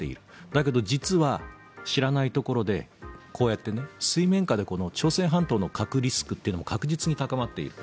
だけど、実は知らないところでこうやって水面下で朝鮮半島の核リスクというのも確実に高まっている。